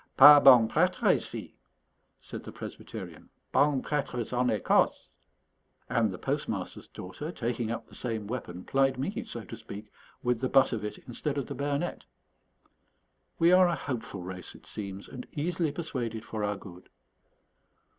"Pas bong prêtres ici," said the Presbyterian, "bong prêtres en Écosse." And the postmaster's daughter, taking up the same weapon, plied me, so to speak, with the butt of it instead of the bayonet. We are a hopeful race, it seems, and easily persuaded for our good.